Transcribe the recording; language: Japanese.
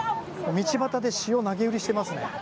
道端で塩、投げ売りしていますね。